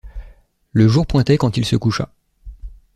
Le jour pointait quand il se coucha.